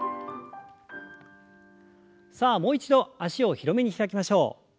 さあもう一度脚を広めに開きましょう。